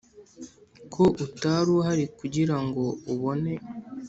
ko utari uhari kugirango ubone